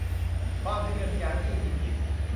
ความทะเยอทะยานไม่ใช่สิ่งผิด